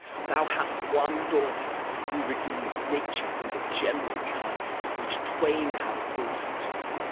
Thou hast one daughter Who redeems nature from the general curse Which twain have brought her to.